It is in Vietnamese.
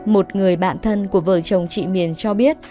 một người bạn thân của vợ chồng chị miền cho biết